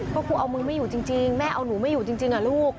ก็ครูเอามือไม่อยู่จริงแม่เอาหนูไม่อยู่จริงลูก